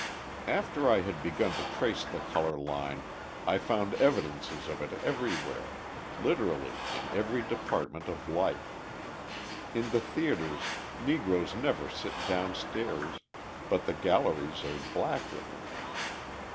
After I had begun to trace the colour line I found evidences of it everywhere literally in every department of life. In the theatres, Negroes never sit downstairs, but the galleries are black with them.